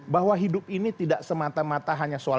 bahwa hidup ini tidak semata mata hanya soal